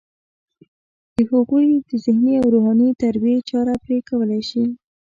د هغوی د ذهني او روحاني تربیې چاره پرې کولی شي.